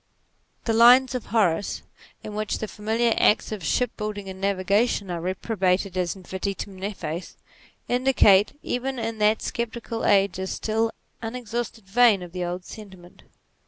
The lines of Horace in which the familiar arts of shipbuilding and navigation are reprobated as vetitum nefas, indicate even in that sceptical age a still unex hausted vein of the old sentiment.